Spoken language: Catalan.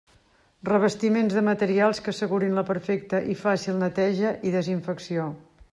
Revestiments de materials que assegurin la perfecta i fàcil neteja i desinfecció.